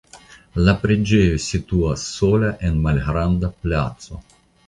La preĝejo situas sola en malgranda placo.